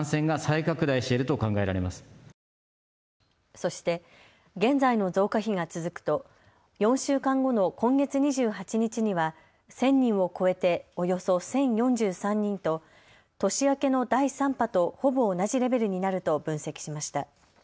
そして現在の増加比が続くと４週間後の今月２８日には１０００人を超えておよそ１０４３人と年明けの第３波とほぼ同じレベルになると分析しました。